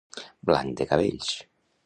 Blanc de cabells.